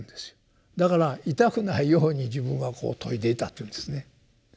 だから痛くないように自分はこう研いでいたというんですね。